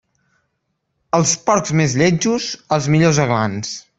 Als porcs més lletjos, els millors aglans.